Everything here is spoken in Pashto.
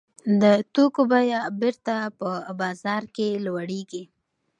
د توکو بیه بېرته په بازار کې لوړېږي